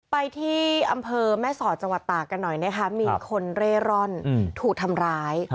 ไปที่อำเภอแม่สอดจังหวัดตากกันหน่อยนะคะมีคนเร่ร่อนถูกทำร้าย